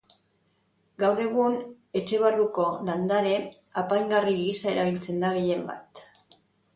Gaur egun, etxe barruko landare apaingarri gisa erabiltzen da gehienbat.